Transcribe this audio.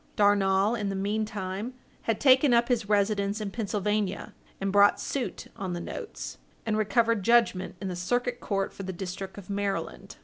Darnall, in the meantime, had taken up his residence in Pennsylvania, and brought suit on the notes, and recovered judgment in the Circuit Court for the district of Maryland.